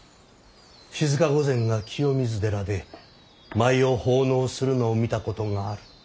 静御前が清水寺で舞を奉納するのを見たことがある。